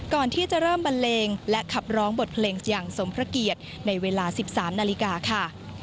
ก่อนที่จะเริ่มบันเลงและขับร้องบทเพลงอย่างสมพระเกียรติในเวลา๑๓นาฬิกาค่ะ